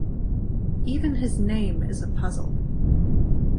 Even his name is a puzzle.